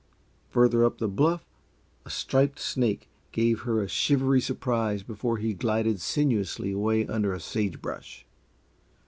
Further up the bluff a striped snake gave her a shivery surprise before he glided sinuously away under a sagebush.